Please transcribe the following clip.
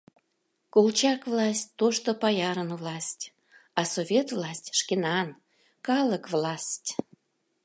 Колчак власть — тошто паярын власть, а Совет власть — шкенан, калык власть.